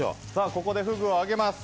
ここでフグをあげます。